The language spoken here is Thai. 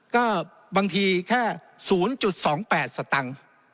ก็บางทีแค่๐๒๘สตังค์